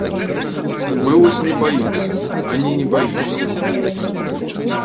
Мы вось не баімся, ані не баімся.